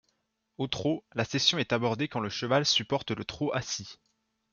Au trot, la cession est abordée quand le cheval supporte le trot assis.